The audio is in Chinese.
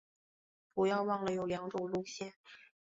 不要忘了有两种路线